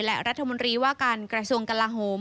และรัฐมนตรีว่าการกระทรวงกลาโหม